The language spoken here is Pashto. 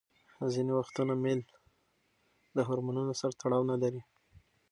ځینې وختونه میل د هورمونونو سره تړاو نلري.